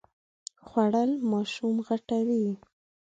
خوړل ماشوم غټوي